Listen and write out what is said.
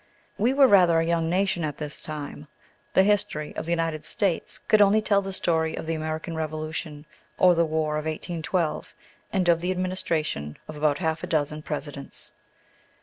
We were rather a young nation at this time. The History of the United States could only tell the story of the American Revolution, of the War of 1812, and of the administration of about half a dozen presidents.